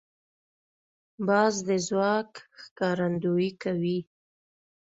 باز د ځواک ښکارندویي کوي